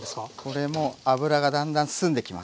これも脂がだんだん澄んできます。